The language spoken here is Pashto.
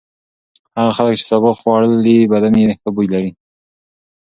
هغه خلک چې سابه خوړلي بدن یې ښه بوی لري.